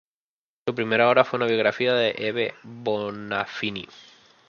Su primera obra fue una biografía de Hebe de Bonafini.